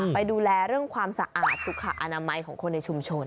ไปดูแลเรื่องความสะอาดสุขอนามัยของคนในชุมชน